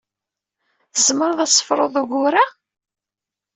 Tzemreḍ ad tefruḍ ugur-a?